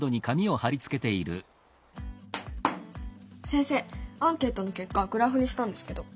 先生アンケートの結果グラフにしたんですけど。